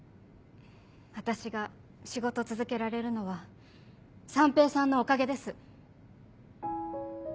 私が仕事続けられるのは三瓶さんのおかげです。